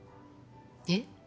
えっ？